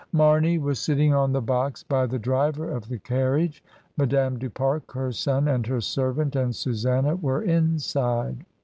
Mamey was sitting on the box by the driver of the carriage; Madame du Pare, her son, and her servant and Susanna were inside.